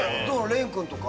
廉君とか。